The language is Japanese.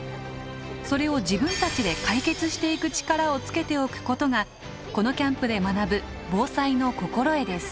それを自分たちで解決していく力をつけておくことがこのキャンプで学ぶ防災の心得です。